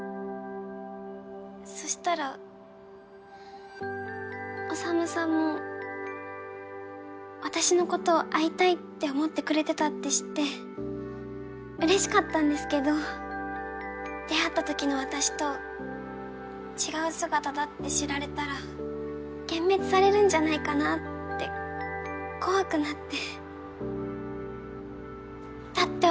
そしたら宰さんも私のことを会いたいって思ってくれてたって知って嬉しかったんですけど出会ったときの私と違う姿だって知られたら幻滅されるんじゃないかなって怖くなってだって